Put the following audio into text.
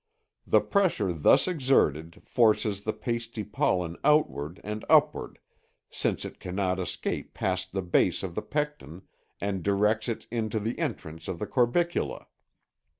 The pressure thus exerted forces the pasty pollen outward and upward, since it can not escape past the base of the pecten, and directs it into the entrance to the corbicula.